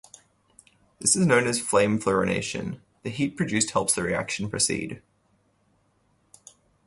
This is known as flame fluorination; the heat produced helps the reaction proceed.